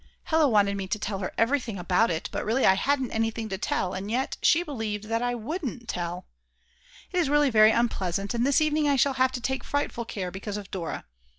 Hella wanted me to tell her everything about it; but really I hadn't anything to tell, and yet she believed that I wouldn't tell. It is really very unpleasant, and this evening I shall have to take frightful care because of Dora.